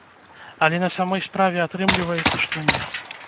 Але на самой справе атрымліваецца, што не.